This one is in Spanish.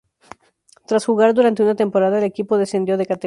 Tras jugar durante una temporada, el equipo descendió de categoría.